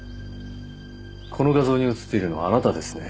この画像に映っているのはあなたですね？